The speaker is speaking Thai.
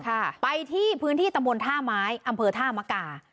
ค่ะไปที่พื้นที่ตะมนต์ท่าม้ายอำเภอท่ามะกา